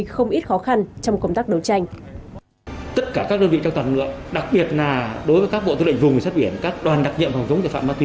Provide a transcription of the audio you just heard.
không ít khó khăn trong công tác đấu tranh